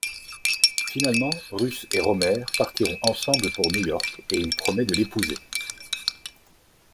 Finalement Ruth et Romer partiront ensemble pour New York, et il promet de l'épouser.